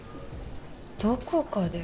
どこかで。